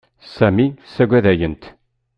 Sami saggadayent.